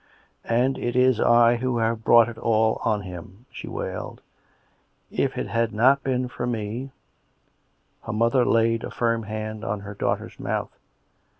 " And it is I who have brought it all on him !" she wailed. " If it had not been for me " Her mother laid a firm hand on her daughter's mouth.